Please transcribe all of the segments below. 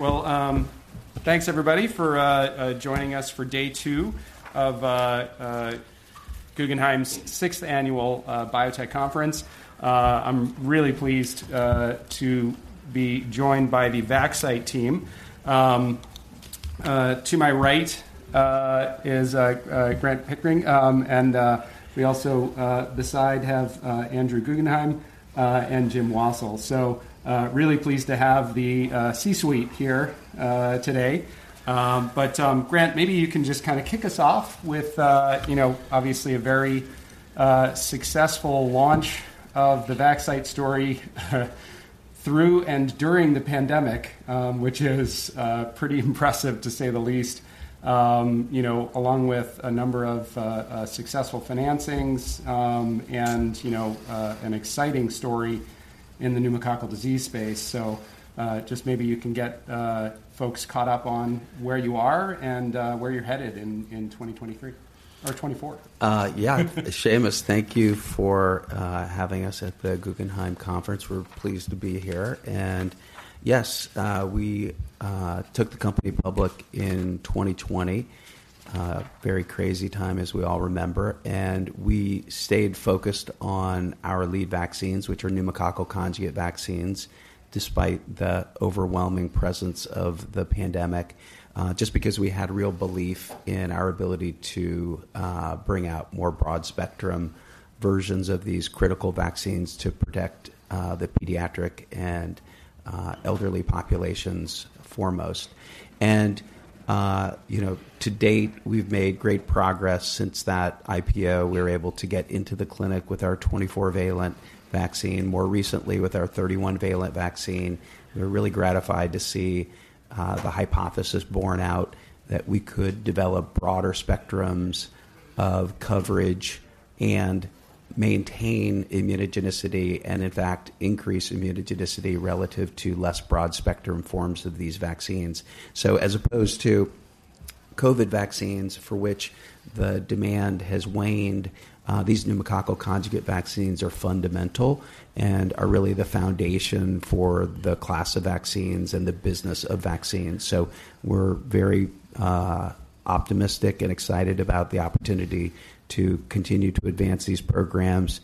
Well, thanks everybody for joining us for day two of Guggenheim's sixth annual Biotech Conference. I'm really pleased to be joined by the Vaxcyte team. To my right is Grant Pickering, and we also beside have Andrew Guggenhime, and Jim Wassil. So, really pleased to have the C-suite here today. But Grant, maybe you can just kinda kick us off with, you know, obviously a very successful launch of the Vaxcyte story, through and during the pandemic, which is pretty impressive, to say the least. You know, along with a number of successful financings, and, you know, an exciting story in the pneumococcal disease space. So, just maybe you can get folks caught up on where you are and where you're headed in 2023 or 2024. Yeah. Seamus, thank you for having us at the Guggenheim Conference. We're pleased to be here. And yes, we took the company public in 2020. Very crazy time, as we all remember, and we stayed focused on our lead vaccines, which are pneumococcal conjugate vaccines, despite the overwhelming presence of the pandemic, just because we had real belief in our ability to bring out more broad-spectrum versions of these critical vaccines to protect the pediatric and elderly populations foremost. And, you know, to date, we've made great progress since that IPO. We were able to get into the clinic with our 24-valent vaccine, more recently with our 31-valent vaccine. We're really gratified to see the hypothesis borne out, that we could develop broader spectrums of coverage and maintain immunogenicity, and in fact, increase immunogenicity relative to less broad-spectrum forms of these vaccines. So as opposed to COVID vaccines, for which the demand has waned, these pneumococcal conjugate vaccines are fundamental and are really the foundation for the class of vaccines and the business of vaccines. So we're very optimistic and excited about the opportunity to continue to advance these programs.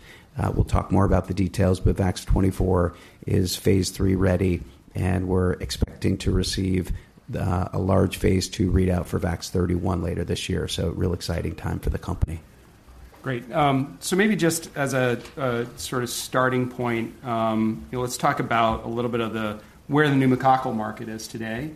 We'll talk more about the details, but VAX-24 is phase III ready, and we're expecting to receive a large phase II readout for VAX-31 later this year. So real exciting time for the company. Great. So maybe just as a sort of starting point, you know, let's talk about a little bit of where the pneumococcal market is today.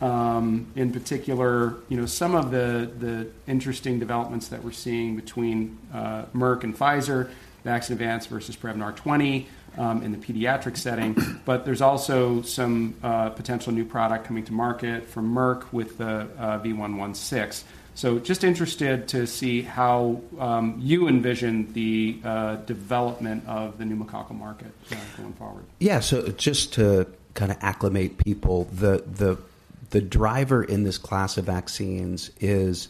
In particular, you know, some of the interesting developments that we're seeing between Merck and Pfizer, VAXNEUVANCE versus Prevnar 20, in the pediatric setting. But there's also some potential new product coming to market from Merck with the V116. So just interested to see how you envision the development of the pneumococcal market going forward. Yeah. So just to kinda acclimate people, the driver in this class of vaccines is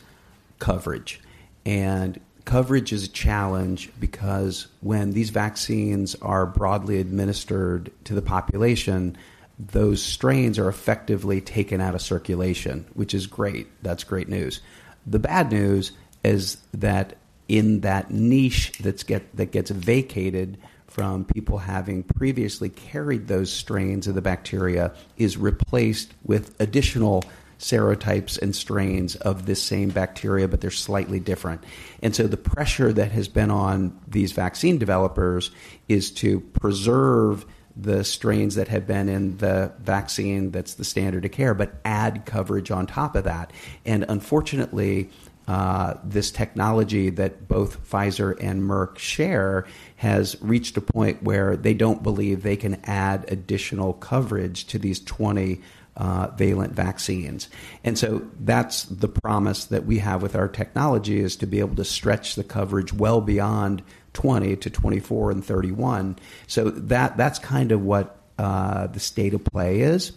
coverage. And coverage is a challenge because when these vaccines are broadly administered to the population, those strains are effectively taken out of circulation, which is great. That's great news. The bad news is that in that niche that gets vacated from people having previously carried those strains of the bacteria, is replaced with additional serotypes and strains of this same bacteria, but they're slightly different. And so the pressure that has been on these vaccine developers is to preserve the strains that had been in the vaccine, that's the standard of care, but add coverage on top of that. And unfortunately, this technology that both Pfizer and Merck share, has reached a point where they don't believe they can add additional coverage to these 20-valent vaccines. And so that's the promise that we have with our technology, is to be able to stretch the coverage well beyond 20 to 24 and 31. So that, that's kind of what the state of play is.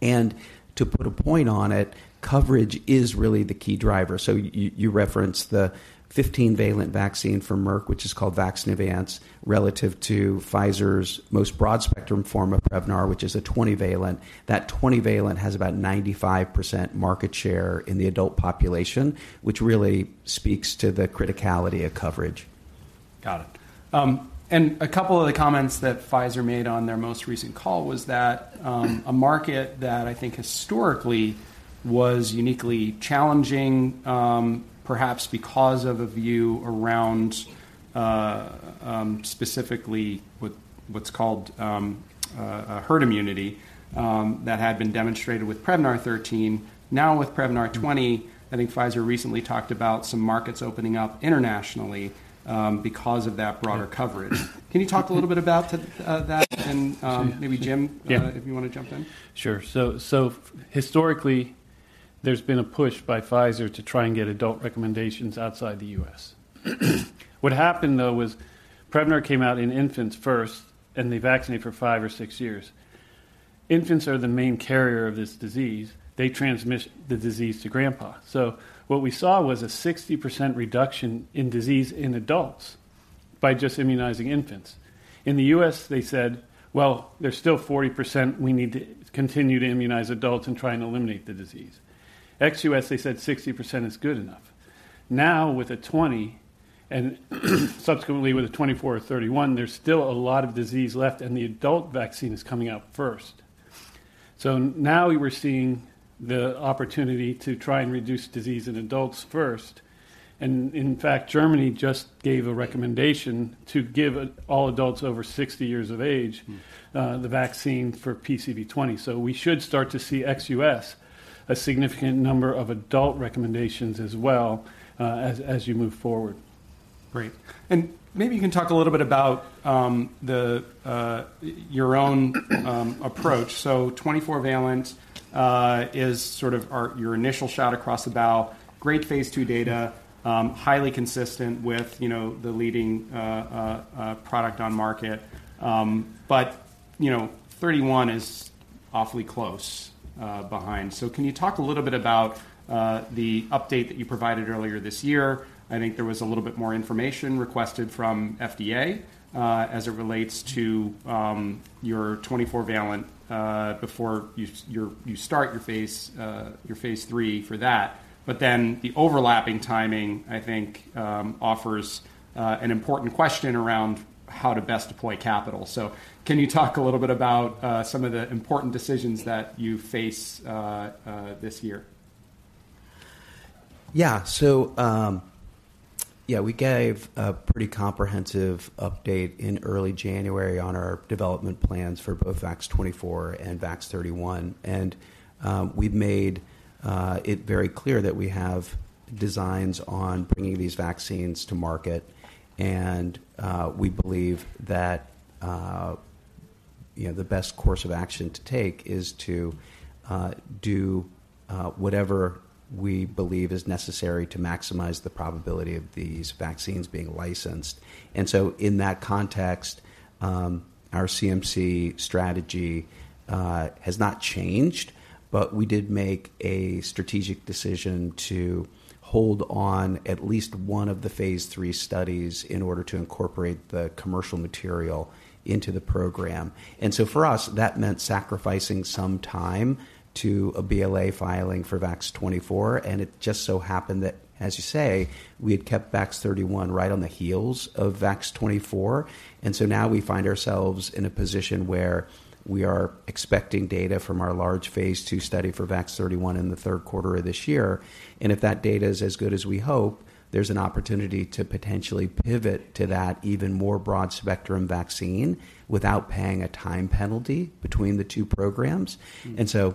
And to put a point on it, coverage is really the key driver. So you referenced the 15-valent vaccine from Merck, which is called VAXNEUVANCE, relative to Pfizer's most broad-spectrum form of Prevnar, which is a 20-valent. That 20-valent has about 95% market share in the adult population, which really speaks to the criticality of coverage. Got it. And a couple of the comments that Pfizer made on their most recent call was that, a market that I think historically was uniquely challenging, perhaps because of a view around, specifically with what's called, a herd immunity, that had been demonstrated with Prevnar 13. Now, with Prevnar 20, I think Pfizer recently talked about some markets opening up internationally, because of that broader coverage. Can you talk a little bit about that? And, maybe Jim if you wanna jump in. Sure. So historically, there's been a push by Pfizer to try and get adult recommendations outside the US. What happened, though, was Prevnar came out in infants first, and they vaccinate for five or six years. Infants are the main carrier of this disease. They transmit the disease to grandpa. So what we saw was a 60% reduction in disease in adults by just immunizing infants. In the US, they said, "Well, there's still 40%. We need to continue to immunize adults and try and eliminate the disease." Ex-US, they said, "60% is good enough." Now, with a 20, and subsequently, with a 24 or 31, there's still a lot of disease left, and the adult vaccine is coming out first. So now we were seeing the opportunity to try and reduce disease in adults first, and in fact, Germany just gave a recommendation to give all adults over 60 years of age, the vaccine for PCV20. So we should start to see ex-US, a significant number of adult recommendations as well, as you move forward. Great. And maybe you can talk a little bit about your own approach. So 24-valent is sort of your initial shot across the bow. Great phase II data, highly consistent with, you know, the leading product on market. But, you know, 31 is awfully close behind. So can you talk a little bit about the update that you provided earlier this year? I think there was a little bit more information requested from FDA as it relates to your 24-valent before you start your phase III for that. But then the overlapping timing, I think, offers an important question around how to best deploy capital. Can you talk a little bit about some of the important decisions that you face this year? Yeah. So, yeah, we gave a pretty comprehensive update in early January on our development plans for both VAX-24 and VAX-31. And, we've made it very clear that we have designs on bringing these vaccines to market. And, we believe that, you know, the best course of action to take is to do whatever we believe is necessary to maximize the probability of these vaccines being licensed. And so in that context, our CMC strategy has not changed, but we did make a strategic decision to hold on at least one of the phase III studies in order to incorporate the commercial material into the program. For us, that meant sacrificing some time to a BLA filing for VAX-24, and it just so happened that, as you say, we had kept VAX-31 right on the heels of VAX-24. Now we find ourselves in a position where we are expecting data from our large phase II study for VAX-31 in the third quarter of this year. And if that data is as good as we hope, there's an opportunity to potentially pivot to that even more broad spectrum vaccine without paying a time penalty between the two programs. And so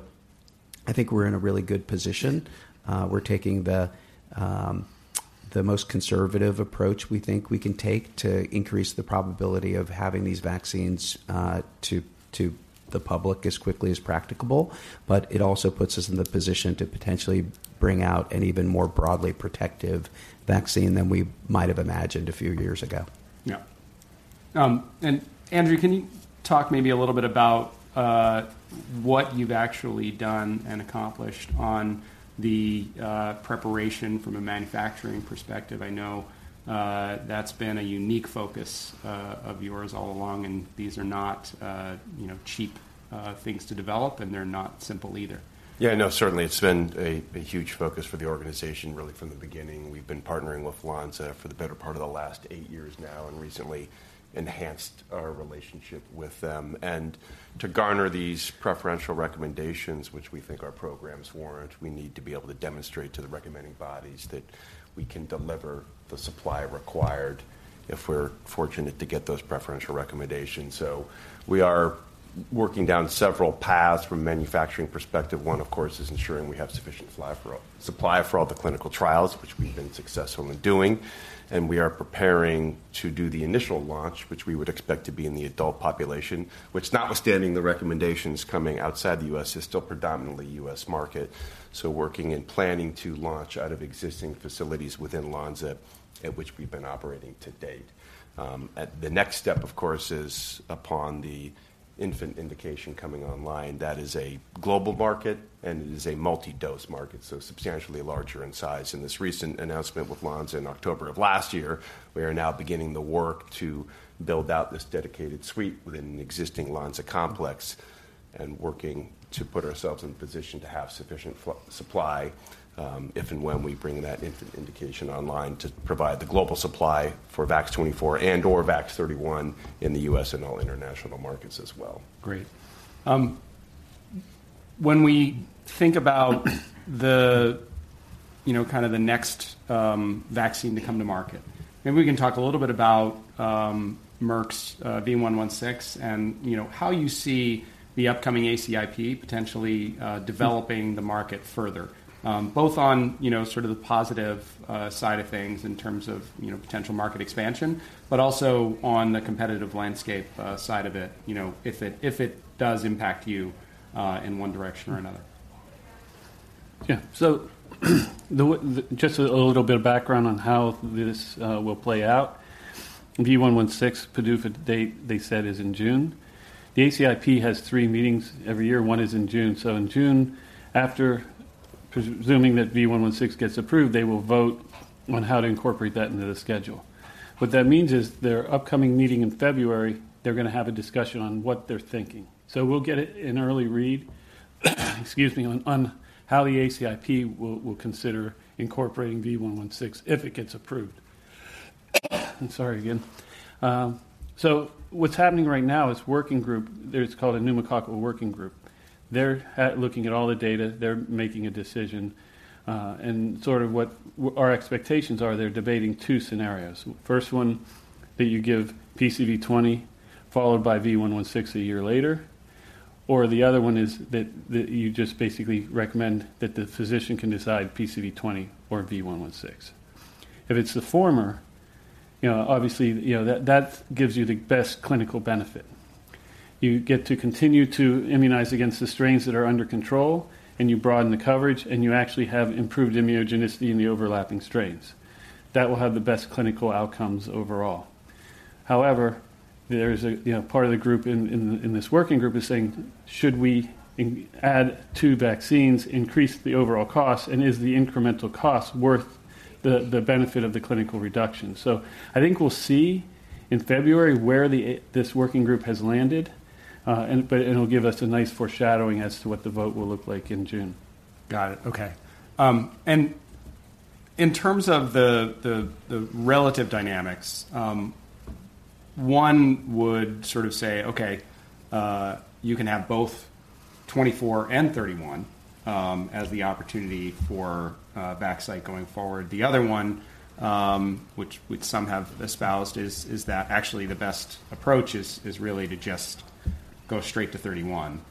I think we're in a really good position. We're taking the, the most conservative approach we think we can take to increase the probability of having these vaccines, to, to the public as quickly as practicable, but it also puts us in the position to potentially bring out an even more broadly protective vaccine than we might have imagined a few years ago. Yeah. And Andrew, can you talk maybe a little bit about what you've actually done and accomplished on the preparation from a manufacturing perspective? I know that's been a unique focus of yours all along, and these are not, you know, cheap things to develop, and they're not simple either. Yeah, I know. Certainly, it's been a huge focus for the organization, really, from the beginning. We've been partnering with Lonza for the better part of the last eight years now and recently enhanced our relationship with them. And to garner these preferential recommendations, which we think our programs warrant, we need to be able to demonstrate to the recommending bodies that we can deliver the supply required if we're fortunate to get those preferential recommendations. So we are working down several paths from a manufacturing perspective. One, of course, is ensuring we have sufficient supply for all the clinical trials, which we've been successful in doing. And we are preparing to do the initial launch, which we would expect to be in the adult population, which notwithstanding the recommendations coming outside the U.S., is still predominantly U.S. market. Working and planning to launch out of existing facilities within Lonza, at which we've been operating to date. At the next step, of course, is upon the infant indication coming online. That is a global market, and it is a multi-dose market, so substantially larger in size. In this recent announcement with Lonza in October of last year, we are now beginning the work to build out this dedicated suite within the existing Lonza complex and working to put ourselves in a position to have sufficient supply, if and when we bring that infant indication online, to provide the global supply for VAX-24 and/or VAX-31 in the U.S. and all international markets as well. Great. When we think about the, you know, kind of the next vaccine to come to market, maybe we can talk a little bit about Merck's V116, and, you know, how you see the upcoming ACIP potentially developing the market further. Both on, you know, sort of the positive side of things in terms of, you know, potential market expansion, but also on the competitive landscape side of it, you know, if it, if it does impact you in one direction or another. Yeah. So, Just a little bit of background on how this will play out. V116 PDUFA date, they said, is in June. The ACIP has three meetings every year. One is in June. So in June, after presuming that V116 gets approved, they will vote on how to incorporate that into the schedule. What that means is, their upcoming meeting in February, they're going to have a discussion on what they're thinking. So we'll get an early read, excuse me, on how the ACIP will consider incorporating V116, if it gets approved. I'm sorry again. So what's happening right now is working group, there's called a pneumococcal working group. They're looking at all the data, they're making a decision, and sort of what our expectations are, they're debating two scenarios. First one, that you give PCV20, followed by V116 a year later, or the other one is that, that you just basically recommend that the physician can decide PCV20 or V116. If it's the former, you know, obviously, you know, that, that gives you the best clinical benefit. You get to continue to immunize against the strains that are under control, and you broaden the coverage, and you actually have improved immunogenicity in the overlapping strains. That will have the best clinical outcomes overall. However, there is, you know, part of the group in this working group is saying, "Should we add two vaccines, increase the overall cost, and is the incremental cost worth the benefit of the clinical reduction?" So I think we'll see in February where this working group has landed, and but it'll give us a nice foreshadowing as to what the vote will look like in June. Got it. Okay. And in terms of the relative dynamics, one would sort of say, "Okay, you can have both 24 and 31, as the opportunity for Vaxcyte going forward." The other one, which some have espoused, is that actually the best approach is really to just go straight to 31.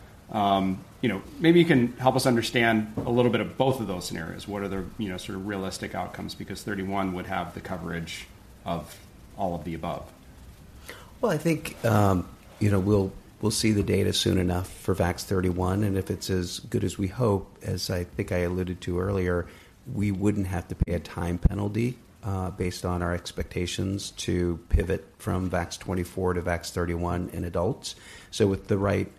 You know, maybe you can help us understand a little bit of both of those scenarios. What are the, you know, sort of realistic outcomes? Because 31 would have the coverage of all of the above. Well, I think, you know, we'll see the data soon enough for VAX-31, and if it's as good as we hope, as I think I alluded to earlier, we wouldn't have to pay a time penalty, based on our expectations to pivot from VAX-24 to VAX-31 in adults. So with the right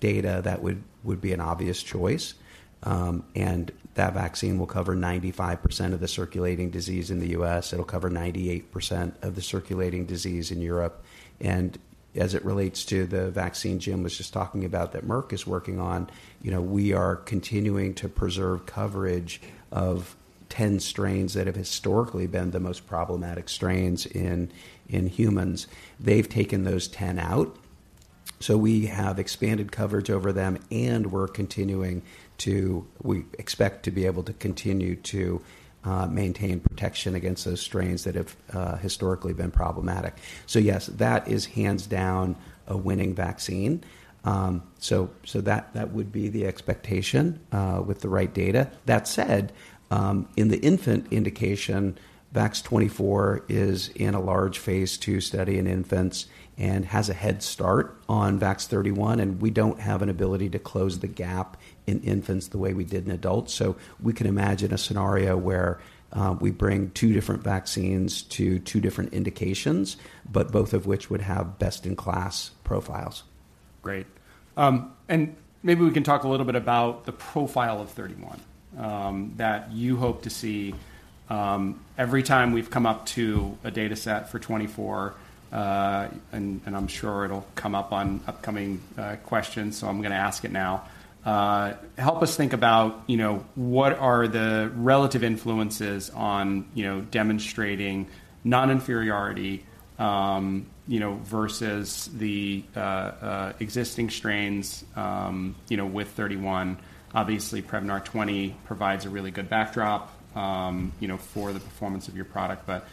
data, that would be an obvious choice, and that vaccine will cover 95% of the circulating disease in the U.S. It'll cover 98% of the circulating disease in Europe. And as it relates to the vaccine Jim was just talking about that Merck is working on, you know, we are continuing to preserve coverage of 10 strains that have historically been the most problematic strains in humans. They've taken those 10 out, so we have expanded coverage over them, and we're continuing to. We expect to be able to continue to maintain protection against those strains that have historically been problematic. So yes, that is hands down a winning vaccine. So that would be the expectation with the right data. That said, in the infant indication, VAX-24 is in a large phase II study in infants and has a head start on VAX-31, and we don't have an ability to close the gap in infants the way we did in adults. So we can imagine a scenario where we bring two different vaccines to two different indications, but both of which would have best-in-class profiles. Great. And maybe we can talk a little bit about the profile of 31 that you hope to see. Every time we've come up to a data set for 24, and I'm sure it'll come up on upcoming questions, so I'm going to ask it now. Help us think about, you know, what are the relative influences on, you know, demonstrating non-inferiority, you know, versus the existing strains, you know, with 31. Obviously, Prevnar 20 provides a really good backdrop, you know, for the performance of your product. But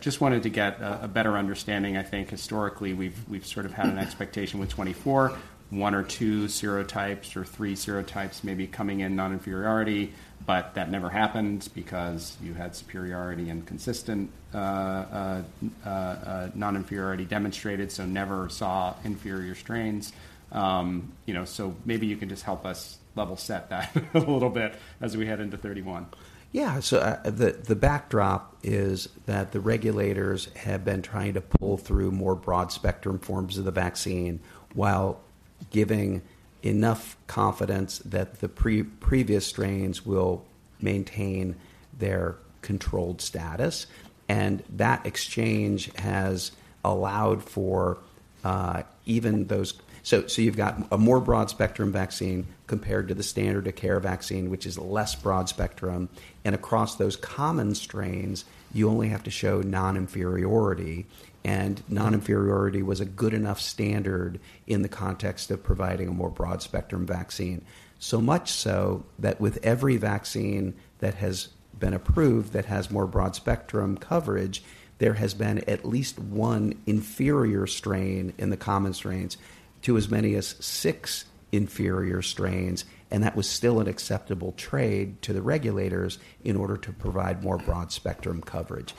just wanted to get a better understanding. I think historically, we've sort of had an expectation with 24, one or two serotypes or three serotypes maybe coming in non-inferiority, but that never happened because you had superiority and consistent non-inferiority demonstrated, so never saw inferior strains. You know, so maybe you can just help us level set that a little bit as we head into 31. Yeah. So, the backdrop is that the regulators have been trying to pull through more broad-spectrum forms of the vaccine while giving enough confidence that the previous strains will maintain their controlled status, and that exchange has allowed for even those. So, you've got a more broad-spectrum vaccine compared to the standard of care vaccine, which is less broad-spectrum, and across those common strains, you only have to show non-inferiority. Non-inferiority was a good enough standard in the context of providing a more broad-spectrum vaccine. So much so that with every vaccine that has been approved, that has more broad-spectrum coverage, there has been at least one inferior strain in the common strains to as many as six inferior strains, and that was still an acceptable trade to the regulators in order to provide more broad-spectrum coverage.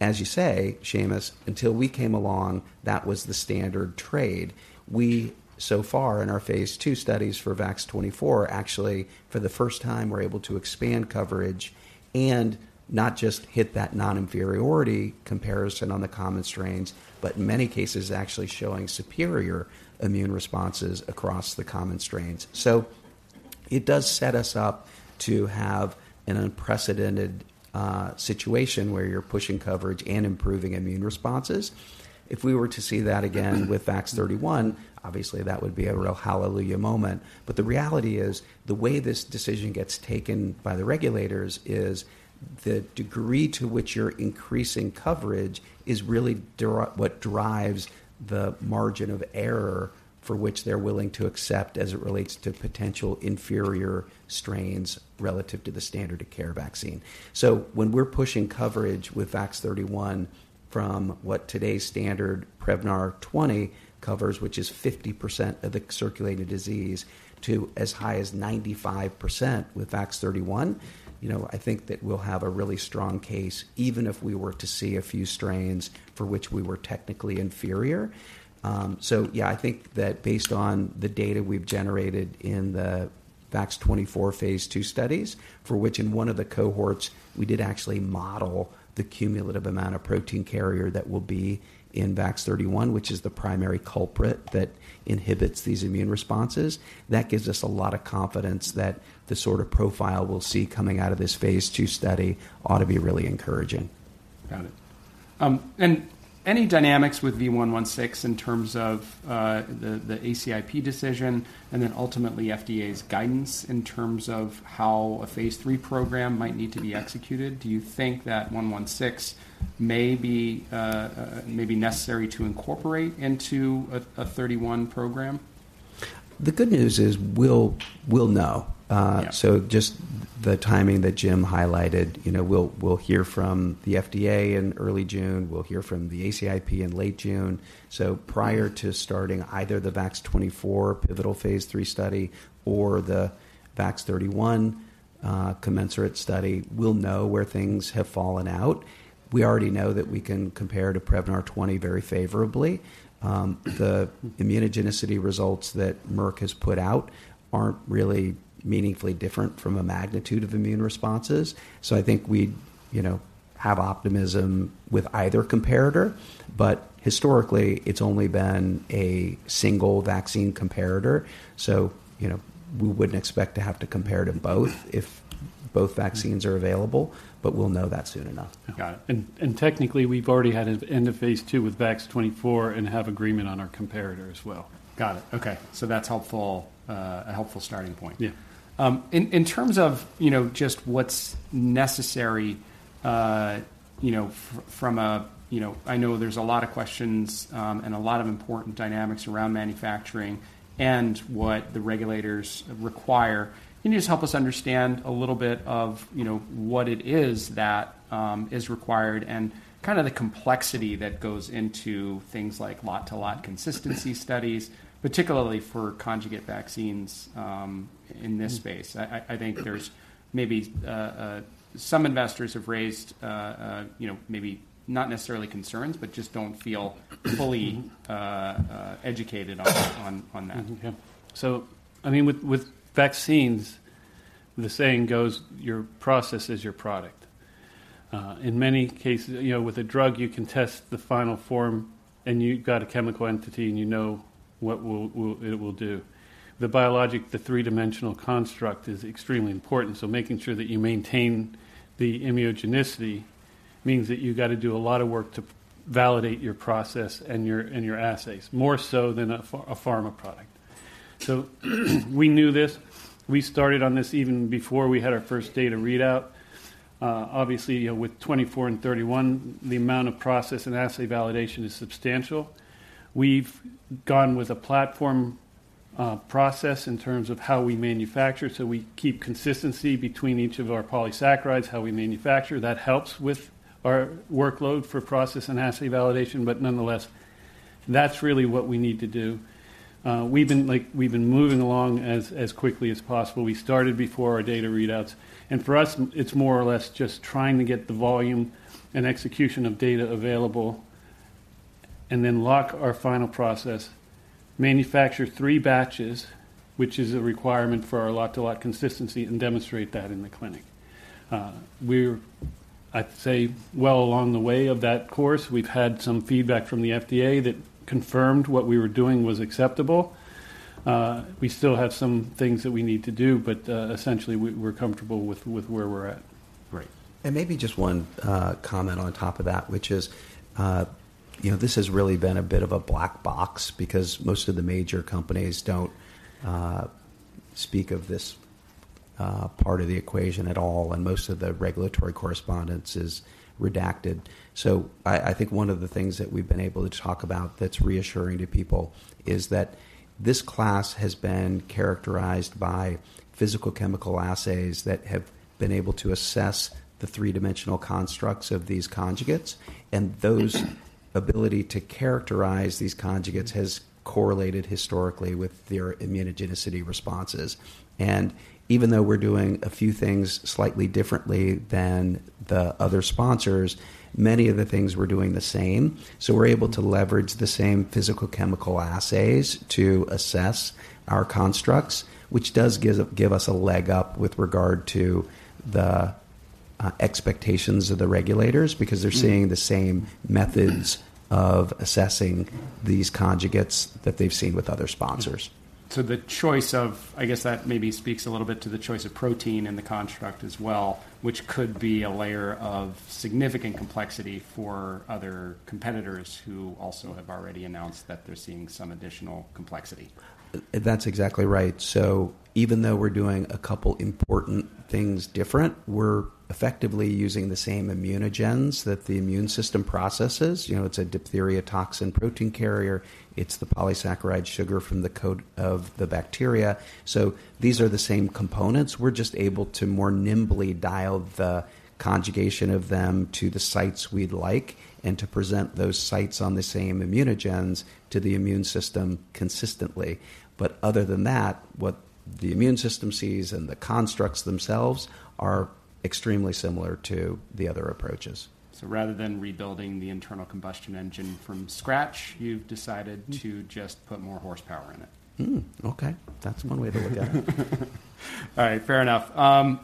As you say, Seamus, until we came along, that was the standard trade. We, so far, in our phase II studies for VAX-24, actually, for the first time, we're able to expand coverage and not just hit that non-inferiority comparison on the common strains, but in many cases, actually showing superior immune responses across the common strains. It does set us up to have an unprecedented situation where you're pushing coverage and improving immune responses. If we were to see that again with Vax-31, obviously that would be a real hallelujah moment. But the reality is, the way this decision gets taken by the regulators is the degree to which you're increasing coverage is really what drives the margin of error for which they're willing to accept as it relates to potential inferior strains relative to the standard of care vaccine. So when we're pushing coverage with VAX-31 from what today's standard Prevnar 20 covers, which is 50% of the circulating disease, to as high as 95% with VAX-31, you know, I think that we'll have a really strong case, even if we were to see a few strains for which we were technically inferior. So yeah, I think that based on the data we've generated in the VAX-24 phase II studies, for which in one of the cohorts, we did actually model the cumulative amount of protein carrier that will be in VAX-31, which is the primary culprit that inhibits these immune responses. That gives us a lot of confidence that the sort of profile we'll see coming out of this phase II study ought to be really encouraging. Got it. And any dynamics with V116 in terms of, the ACIP decision and then ultimately FDA's guidance in terms of how a phase III program might need to be executed? Do you think that 116 may be, may be necessary to incorporate into a 31 program? The good news is we'll know. So just the timing that Jim highlighted, you know, we'll hear from the FDA in early June. We'll hear from the ACIP in late June. So prior to starting either the VAX-24 pivotal phase III study or the VAX-31 commensurate study, we'll know where things have fallen out. We already know that we can compare to Prevnar 20 very favorably. The immunogenicity results that Merck has put out aren't really meaningfully different from a magnitude of immune responses. So I think we, you know, have optimism with either comparator, but historically, it's only been a single vaccine comparator. So, you know, we wouldn't expect to have to compare to both if both vaccines are available, but we'll know that soon enough. Got it. Technically, we've already had an end of phase II with VAX-24 and have agreement on our comparator as well. Got it. Okay. So that's helpful, a helpful starting point. Yeah. In terms of, you know, just what's necessary, you know, from a... You know, I know there's a lot of questions, and a lot of important dynamics around manufacturing and what the regulators require. Can you just help us understand a little bit of, you know, what it is that is required and kind of the complexity that goes into things like lot-to-lot consistency studies, particularly for conjugate vaccines, in this space? I think there's maybe. Some investors have raised, you know, maybe not necessarily concerns, but just don't feel fully educated on that. So, I mean, with vaccines, the saying goes, your process is your product. In many cases, you know, with a drug, you can test the final form, and you've got a chemical entity, and you know what it will do. The biologic, the three-dimensional construct is extremely important, so making sure that you maintain the immunogenicity means that you've got to do a lot of work to validate your process and your assays, more so than a pharma product. So we knew this. We started on this even before we had our first data readout. Obviously, with 24 and 31, the amount of process and assay validation is substantial. We've gone with a platform process in terms of how we manufacture, so we keep consistency between each of our polysaccharides, how we manufacture. That helps with our workload for process and assay validation, but nonetheless, that's really what we need to do. We've been moving along as quickly as possible. We started before our data readouts, and for us, it's more or less just trying to get the volume and execution of data available and then lock our final process, manufacture three batches, which is a requirement for our lot-to-lot consistency, and demonstrate that in the clinic. We're, I'd say, well along the way of that course, we've had some feedback from the FDA that confirmed what we were doing was acceptable. We still have some things that we need to do, but essentially, we're comfortable with where we're at. Great. Maybe just one comment on top of that, which is, you know, this has really been a bit of a black box because most of the major companies don't speak of this part of the equation at all, and most of the regulatory correspondence is redacted. So I think one of the things that we've been able to talk about that's reassuring to people is that this class has been characterized by physicochemical assays that have been able to assess the three-dimensional constructs of these conjugates, and those ability to characterize these conjugates has correlated historically with their immunogenicity responses. And even though we're doing a few things slightly differently than the other sponsors, many of the things we're doing the same. So we're able to leverage the same physicochemical assays to assess our constructs, which does give us a leg up with regard to the expectations of the regulators, because they're seeing the same methods of assessing these conjugates that they've seen with other sponsors. So the choice of, I guess that maybe speaks a little bit to the choice of protein in the construct as well, which could be a layer of significant complexity for other competitors who also have already announced that they're seeing some additional complexity. That's exactly right. So even though we're doing a couple important things different, we're effectively using the same immunogens that the immune system processes. You know, it's a diphtheria toxin protein carrier. It's the polysaccharide sugar from the coat of the bacteria. So these are the same components. We're just able to more nimbly dial the conjugation of them to the sites we'd like and to present those sites on the same immunogens to the immune system consistently. But other than that, what the immune system sees and the constructs themselves are extremely similar to the other approaches. So rather than rebuilding the internal combustion engine from scratch, you've decided to just put more horsepower in it? Okay, that's one way to look at it. All right, fair enough.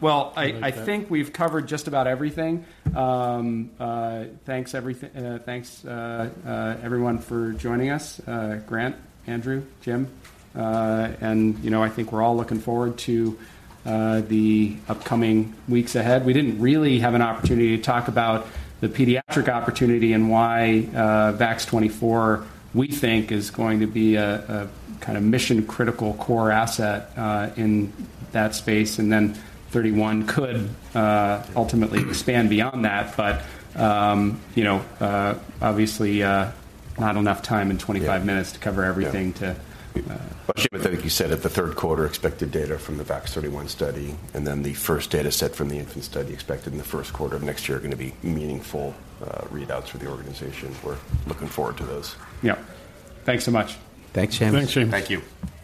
Well, I think we've covered just about everything. Thanks, everyone, for joining us, Grant, Andrew, Jim. And, you know, I think we're all looking forward to the upcoming weeks ahead. We didn't really have an opportunity to talk about the pediatric opportunity and why VAX-24, we think, is going to be a kind of mission-critical core asset in that space, and then VAX-31 could ultimately expand beyond that. But, you know, obviously, not enough time in 25 minutes-Yeah to cover everything to, But I think you said at the third quarter, expected data from the VAX-31 study, and then the first data set from the infant study expected in the first quarter of next year are going to be meaningful readouts for the organization. We're looking forward to those. Yeah. Thanks so much. Thanks, Seamus. Thanks, Seamus. Thank you.